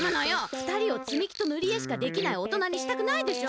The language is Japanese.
ふたりをつみ木とぬり絵しかできないおとなにしたくないでしょ？